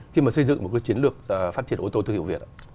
khi mà xây dựng một cái chiến lược phát triển ô tô thương hiệu việt ạ